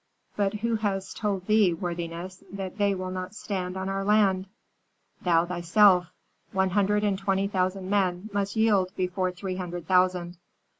"But who has told thee, worthiness, that they will not stand on our land?" "Thou thyself. One hundred and twenty thousand men must yield before three hundred thousand.